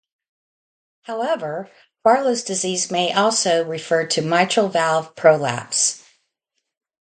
However, Barlow's disease may also refer to mitral valve prolapse.